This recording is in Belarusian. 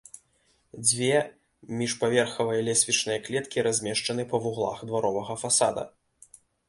Дзве міжпаверхавыя лесвічныя клеткі размешчаны па вуглах дваровага фасада.